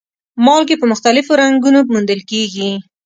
مالګې په مختلفو رنګونو موندل کیږي.